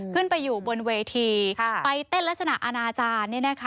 ขึ้นไปอยู่บนเวทีไปเต้นลักษณะอาณาจารย์